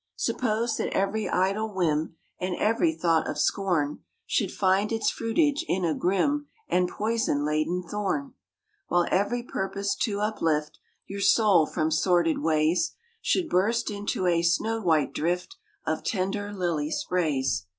Suppose that every idle whim, And every thought of scorn, Should find its fruitage in a grim And poison laden thorn; While every purpose to uplift Your soul from sordid ways Should burst into a snow white drift Of tender lily sprays.